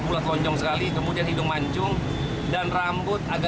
mengenai perawakan sedang pelaku mengenai perawakan sedang